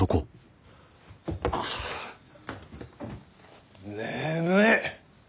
あ眠い！